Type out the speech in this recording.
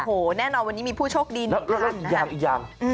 โอ้โหแน่นอนวันนี้มีผู้โชคดีนึงต่าง